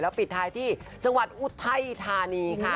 ปิดท้ายที่จังหวัดอุทัยธานีค่ะ